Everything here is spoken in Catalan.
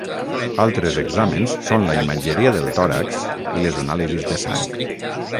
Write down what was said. Altres exàmens són la imatgeria del tòrax i les anàlisis de sang.